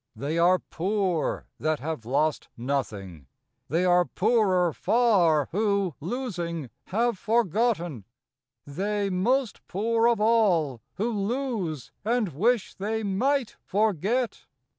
They are poor That have lost nothing: they are poorer far Who, losing, have forgotten : they most poor Of all, who lose and wish they might forget.